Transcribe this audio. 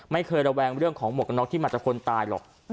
ระแวงเรื่องของหมวกกันน็อกที่มาจากคนตายหรอก